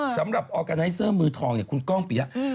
สำหรับออร์กาไนเซอร์มือทองอย่างคุณก้องปียะ